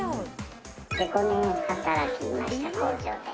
５年働きました、工場で。